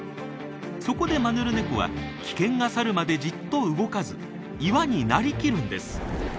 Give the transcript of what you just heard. そこでマヌルネコは危険が去るまでじっと動かず岩になりきるんです。